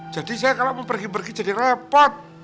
jadi saya kalau mau pergi pergi jadi repot